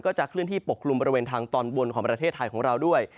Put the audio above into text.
จะเคลื่อนที่ปกคลุมบริเวณทางตอนบนของประเทศไทยของเราด้วย